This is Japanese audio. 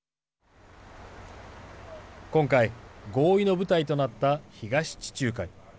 今回合意の舞台となった東地中海。